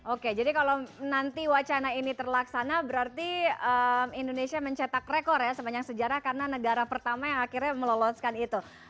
oke jadi kalau nanti wacana ini terlaksana berarti indonesia mencetak rekor ya sepanjang sejarah karena negara pertama yang akhirnya meloloskan itu